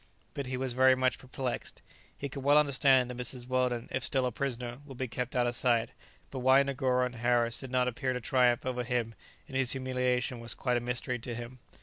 But he was very much perplexed. He could well understand that Mrs. Weldon, if still a prisoner, would be kept out of sight, but why Negoro and Harris did not appear to triumph over him in his humiliation was quite a mystery to him.